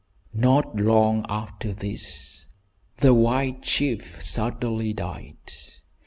Not long after this the white chief suddenly died.